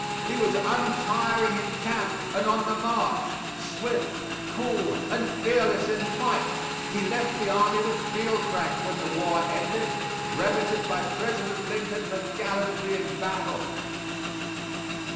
He was untiring in camp and on the march; swift, cool and fearless in fight. He left the army with field rank when the war ended, brevetted by President Lincoln for gallantry in battle.